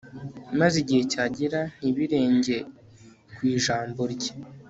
maze igihe cyagera, ntibirenge ku ijambo rye